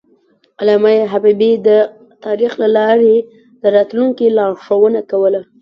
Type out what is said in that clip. علامه حبیبي د تاریخ له لارې د راتلونکي لارښوونه کوله.